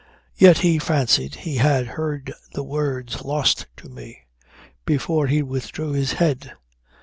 Yet he fancied he had heard the words "Lost to me" before he withdrew his head.